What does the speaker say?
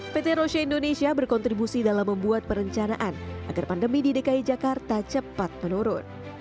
pt roshi indonesia berkontribusi dalam membuat perencanaan agar pandemi di dki jakarta cepat menurun